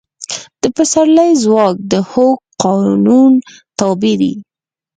د پسرلي ځواک د هوک قانون تابع دی.